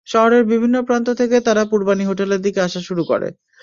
শহরের বিভিন্ন প্রান্ত থেকে তারা পূর্বাণী হোটেলের দিকে আসা শুরু করে।